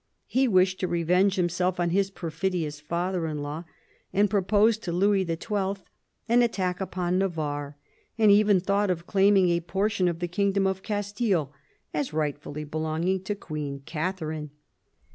He wished to revenge himself on his perfidious father in law, and proposed to Louis XH. an attack upon Navarre, and even thought of claiming a portion of the kingdom of Castile, as rightfully belonging to Queen Katharine.